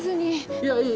いやいい。